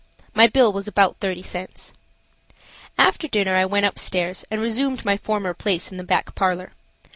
My bill was about thirty cents. After dinner I went up stairs and resumed my former place in the back parlor.